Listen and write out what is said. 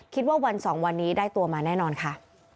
คิดว่าวันสองวันนี้ได้ตัวมาแน่นอนค่ะ